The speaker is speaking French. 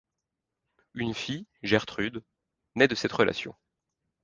Une fille, Gertrude, naît de cette relation.